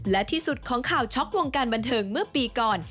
และที่สุดของข่าวช็อกวงการบันเทิงเมื่อปีก่อน